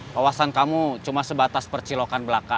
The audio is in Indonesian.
wawasan kamu cuma sebatas percilokan belaka